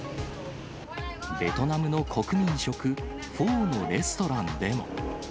ベトナムの国民食、フォーのレストランでも。